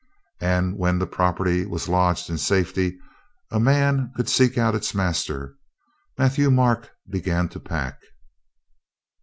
And when the prop erty was lodged in safety, a man could seek out its master. Matthieu Marc began to pack.